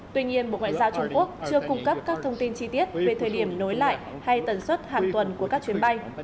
tuy nhiên bộ ngoại giao trung quốc chưa cung cấp các thông tin chi tiết về thời điểm nối lại hay tần suất hàng tuần của các chuyến bay